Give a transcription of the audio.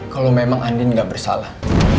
kalau memang andin tidak bersalah